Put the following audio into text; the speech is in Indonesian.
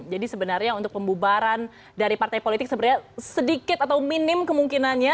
jadi sebenarnya untuk pembubaran dari partai politik sedikit atau minim kemungkinannya